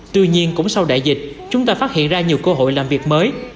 tuy nhiên cũng sau đại dịch chúng ta phát hiện ra nhiều cơ hội làm việc mới